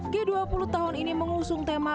g dua puluh tahun ini mengusung tema